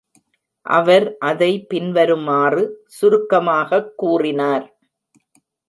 அவர் அதை பின்வருமாறு சுருக்கமாகக் கூறினார்.